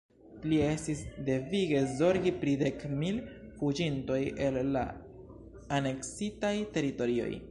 Plie estis devige zorgi pri dek mil fuĝintoj el la aneksitaj teritorioj.